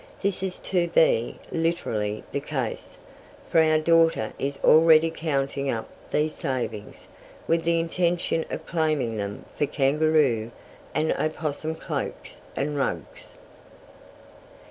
This is to be literally the case, for our daughter is already counting up these savings, with the intention of claiming them for kangaroo and opossum cloaks and rugs.